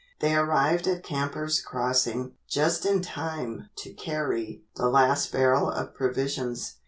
They arrived at "Campers' Crossing" just in time to carry the last barrel of provisions.